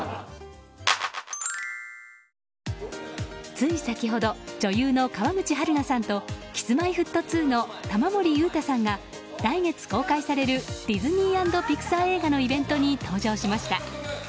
つい先ほど女優の川口春奈さんとＫｉｓ‐Ｍｙ‐Ｆｔ２の玉森裕太さんが来月公開されるディズニー＆ピクサー映画のイベントに登場しました。